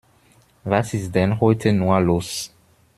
Was ist denn heute nur los?